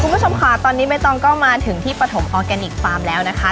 คุณผู้ชมค่ะตอนนี้ใบตองก็มาถึงที่ปฐมออร์แกนิคฟาร์มแล้วนะคะ